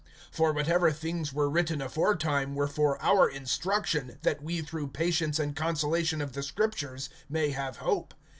(4)For whatever things were written afore time were for our instruction, that we through patience and consolation of the Scriptures may have hope.